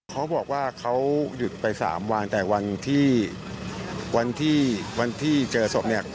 เขาบอกว่าเขายุดไป๓วันแต่วันที่เจอศพ